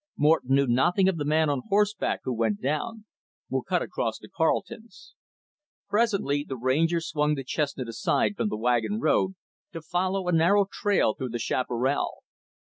Morton knew nothing of the man on horseback who went down. We'll cut across to Carleton's." Presently, the Ranger swung the chestnut aside from the wagon road, to follow a narrow trail through the chaparral.